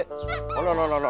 あらららら。